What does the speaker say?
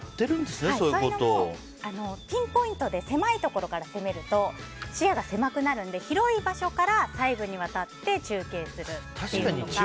そういうのもピンポイントで狭いところから攻めると視野が狭くなるので広い場所から細部にわたって中継するというのが。